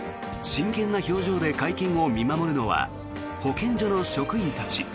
真剣な表情で会見を見守るのは保健所の職員たち。